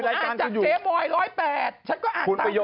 เรื่องรายการคืออยู่